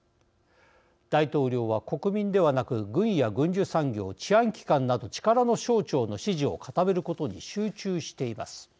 大統領は国民ではなく軍や軍需産業、治安機関など力の省庁の支持を固めることに集中しています。